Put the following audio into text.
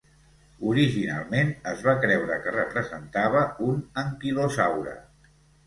Originalment es va creure que representava un anquilosaure.